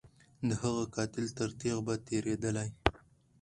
د هغه قاتل تر تیغ به تیریدلای